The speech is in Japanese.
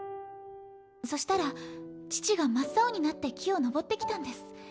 そしたら父が真っ青になって木を登ってきたんです。